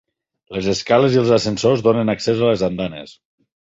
Les escales i els ascensors donen accés a les andanes.